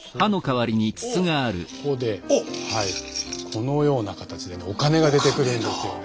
このような形でお金が出てくるんですよね。